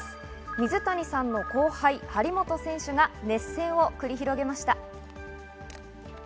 水谷さんの後輩・張本選手が熱戦を繰り広げました。